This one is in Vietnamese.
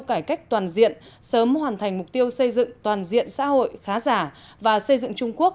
cải cách toàn diện sớm hoàn thành mục tiêu xây dựng toàn diện xã hội khá giả và xây dựng trung quốc